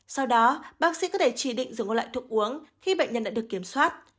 sau đó bác sĩ có thể chỉ định dùng các loại thuốc uống khi bệnh nhân đã được kiểm soát